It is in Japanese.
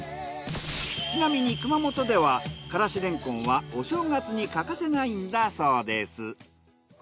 ちなみに熊本ではからし蓮根はお正月に欠かせないんだそうです。